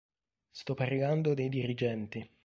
Sto parlando dei dirigenti".